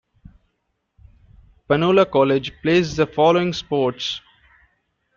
Panola College plays the following sports.